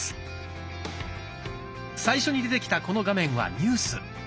最初に出てきたこの画面は「ニュース」。